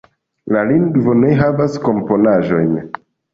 La lingvo ne havas komponaĵojn.